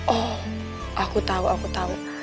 oh aku tau aku tau